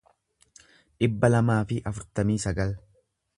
dhibba lamaa fi afurtamii sagal